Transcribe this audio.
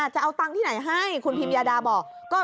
จะเอาตังค์ที่ไหนให้คุณพิมยาดาบอก